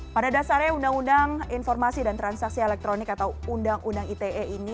pada dasarnya undang undang informasi dan transaksi elektronik atau undang undang ite ini